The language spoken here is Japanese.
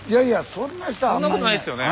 そんなことないっすよね。